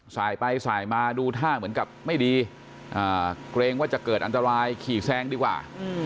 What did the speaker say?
สายไปสายมาดูท่าเหมือนกับไม่ดีเกรงว่าจะเกิดอันตรายขี่แซงดีกว่า